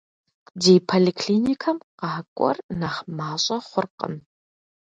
Ди поликлиникэм къакӀуэр нэхъ мащӀэ хъуркъым.